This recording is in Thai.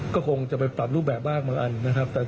ก็คงจะไปปรับรูปแบบบ้างบางอันนะครับ